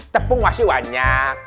tepung masih banyak